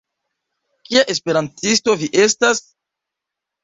Kia Esperantisto vi estas?